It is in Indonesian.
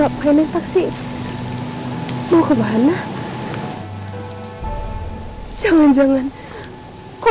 itu nak persam taiwan rempeng taxi